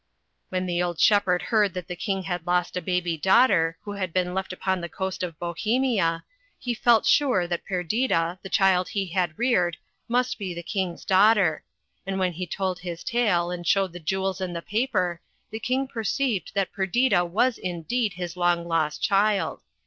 When the old shepherd heard that the King had lost a baby daugh ter, who had been left upon the coast of Bohemia, he felt sure that Perdita, the child he had reared, must be the King's daughter, and when he told his tale and showed the jewels and the paper, the King perceived that Perdita was indeed his long lost child.